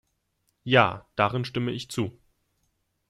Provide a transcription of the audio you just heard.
Ja, darin stimme ich zu.